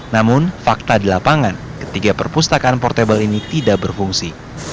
namun fakta di lapangan ketiga perpustakaan portable ini tidak berfungsi